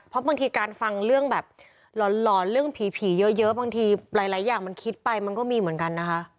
เพราะบางทีการฟังเรื่องแบบหลอนเรื่องผีเยอะบางทีหลายอย่างมันคิดไปมันก็มีเหมือนกันนะคะ